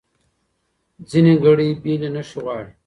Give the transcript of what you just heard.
ځینې ګړې بېلې نښې غواړي.